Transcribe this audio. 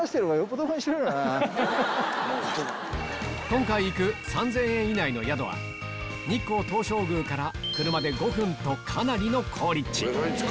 今回行く３０００円以内の宿は日光東照宮から車で５分とかなりの好立地